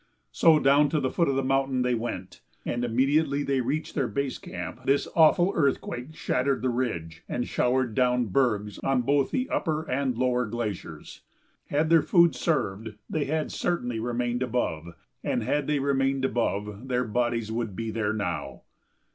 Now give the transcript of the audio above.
So down to the foot of the mountain they went, and immediately they reached their base camp this awful earthquake shattered the ridge and showered down bergs on both the upper and lower glaciers. Had their food served they had certainly remained above, and had they remained above their bodies would be there now.